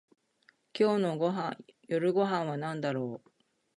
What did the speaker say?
今日の夜ご飯はなんだろう